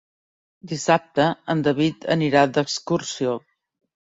Dissabte en David anirà d'excursió.